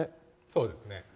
そうですね。